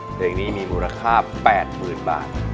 เพลงนี้มีมูลค่า๘๐๐๐บาท